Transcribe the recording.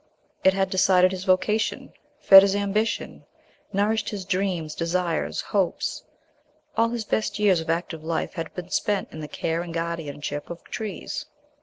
It had decided his vocation, fed his ambition, nourished his dreams, desires, hopes. All his best years of active life had been spent in the care and guardianship of trees.